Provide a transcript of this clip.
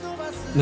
何？